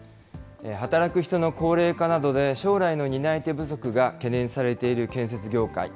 働く人の高齢化などで、将来の担い手不足が懸念されている建設業界。